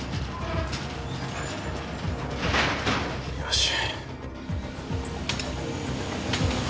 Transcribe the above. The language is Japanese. よし。